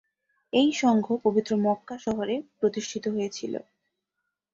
এই সংঘ পবিত্র মক্কা শহরে প্রতিষ্ঠিত হয়েছিল।